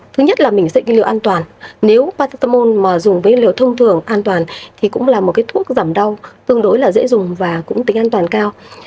thứ nhất là mình dạy cái liều an toàn nếu pattamol mà dùng với liều thông thường an toàn thì cũng là một cái thuốc giảm đau tương đối là dễ dùng và cũng tính an toàn cao